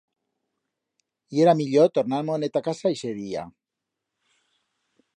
Yera millor tornar-mo'ne ta casa ixe día.